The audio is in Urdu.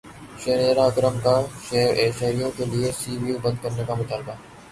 شنیرا اکرم کا شہریوں کیلئے سی ویو بند کرنے کا مطالبہ